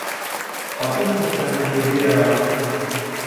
Ҡатын ҡуштаны иргә яраған.